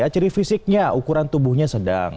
ciri fisiknya ukuran tubuhnya sedang